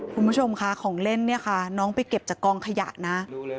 คุณผู้ชมค่ะของเล่นเนี่ยค่ะน้องไปเก็บจากกองขยะนะ